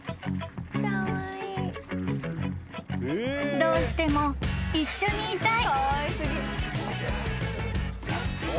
［どうしても一緒にいたい］